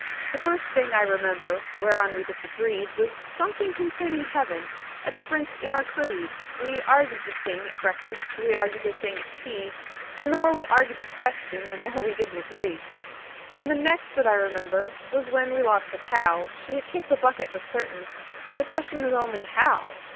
The first thing I remember whereon we disagreed Was something concerning heaven a difference in our creed; We arg'ed the thing at breakfast, we arg'ed the thing at tea, And the more we arg'ed the question the more we didn't agree. And the next that I remember was when we lost a cow; She had kicked the bucket for certain, the question was only How?